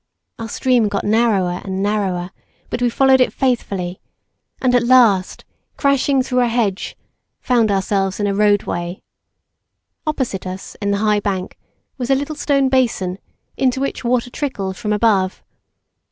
Our stream got narrower and narrower, but we followed it faithfully, and at last, crashing through a hedge, found ourselves in a roadway. Opposite us in the high bank was a little stone basin into which water trickled from above.